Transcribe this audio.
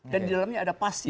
dan di dalamnya ada pasir